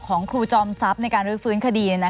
ครูจอมทรัพย์ในการรื้อฟื้นคดี